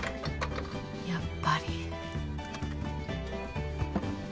やっぱり。